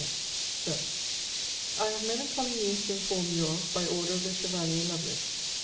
S. SIR, I have melancholy news to inform you of, by order of the Chevalier Lovelace.